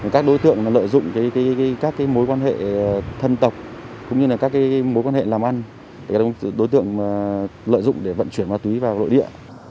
các đối tượng lợi dụng các mối quan hệ thân tộc cũng như các mối quan hệ làm ăn để đối tượng lợi dụng để vận chuyển ma túy vào nội địa